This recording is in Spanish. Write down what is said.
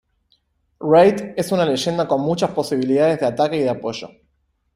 Wraith es una leyenda con muchas posibilidades de ataque y de apoyo.